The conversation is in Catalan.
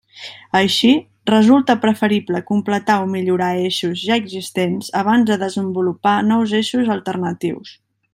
Així, resulta preferible completar o millorar eixos ja existents abans de desenvolupar nous eixos alternatius.